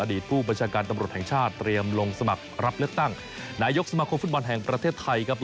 ผู้บัญชาการตำรวจแห่งชาติเตรียมลงสมัครรับเลือกตั้งนายกสมาคมฟุตบอลแห่งประเทศไทยครับ